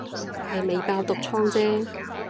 係未爆毒瘡姐